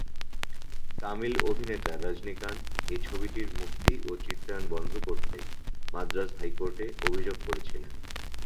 তামিল অভিনেতা রজনীকান্ত এই ছবিটির মুক্তি ও চিত্রায়ন বন্ধ করতে মাদ্রাজ হাইকোর্টে অভিযোগ করেছিলেন।